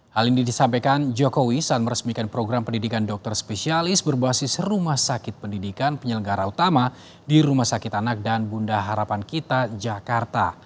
hal ini disampaikan jokowi saat meresmikan program pendidikan dokter spesialis berbasis rumah sakit pendidikan penyelenggara utama di rumah sakit anak dan bunda harapan kita jakarta